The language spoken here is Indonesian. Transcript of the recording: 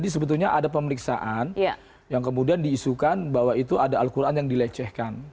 sebetulnya ada pemeriksaan yang kemudian diisukan bahwa itu ada al quran yang dilecehkan